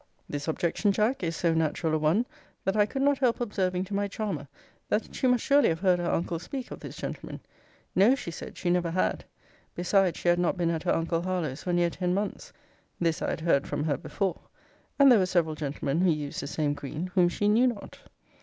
This objection, Jack, is so natural a one, that I could not help observing to my charmer, that she must surely have heard her uncle speak of this gentleman. No, she said, she never had. Besides she had not been at her uncle Harlowe's for near ten months [this I had heard from her before]: and there were several gentlemen who used the same green, whom she knew not.